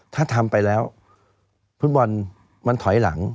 ถ้าทำไปแล้วฟุตบอลมันถอยหลัง